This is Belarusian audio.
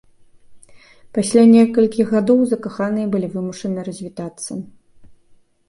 Пасля некалькіх гадоў закаханыя былі вымушаны развітацца.